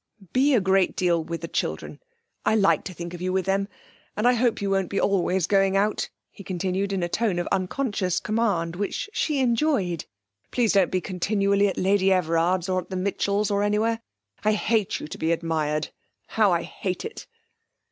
'Be a great deal with the children. I like to think of you with them. And I hope you won't be always going out,' he continued, in a tone of unconscious command, which she enjoyed....'Please don't be continually at Lady Everard's, or at the Mitchells', or anywhere. I hate you to be admired how I hate it!'